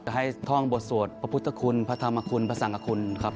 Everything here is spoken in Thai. ให้ท่องบทสวดพระพุทธคุณพระธรรมคุณพระสังคคุณครับ